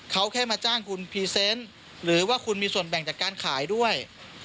เขาแค่มาจ้างคุณพรีเซนต์หรือว่าคุณมีส่วนแบ่งจากการขายด้วย